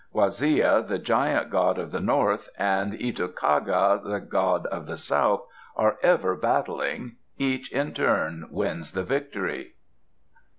Waziya, the giant god of the north, and Itokaga, the god of the south, are ever battling. Each in turn wins the victory.